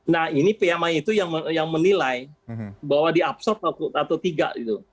nah ini pmi itu yang menilai bahwa dia absorb atau tidak gitu